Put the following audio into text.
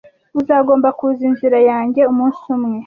uzagomba kuza inzira yanjye umunsi umwe